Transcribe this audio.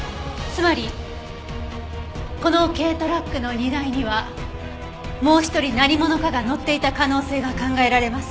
つまりこの軽トラックの荷台にはもう一人何者かが乗っていた可能性が考えられます。